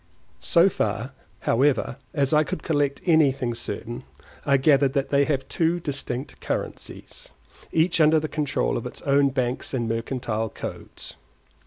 So far, however, as I could collect anything certain, I gathered that they have two distinct currencies, each under the control of its own banks and mercantile codes.